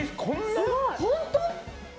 本当？